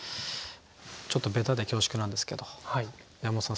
ちょっとベタで恐縮なんですけど山本さん